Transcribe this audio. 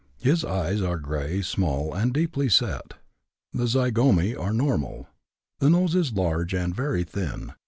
His eyes are gray, small, and deeply set; the zygomæ are normal. The nose is large and very thin.